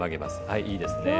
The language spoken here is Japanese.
はいいいですね。